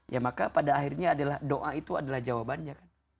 ya maka pada akhirnya doa itu adalah jawabannya